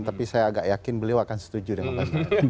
tapi saya agak yakin beliau akan setuju dengan presiden